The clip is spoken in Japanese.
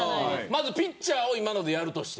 まずピッチャーを今のでやるとして。